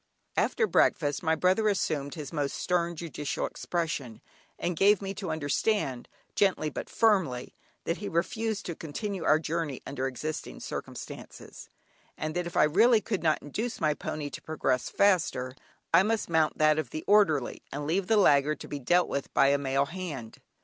After breakfast, my brother assumed his most stern judicial expression and gave me to understand gently but firmly, that he refused to continue our journey under existing circumstances, and that if I really could not induce my pony to progress faster, I must mount that of the orderly, and leave the laggard to be dealt with by a male hand.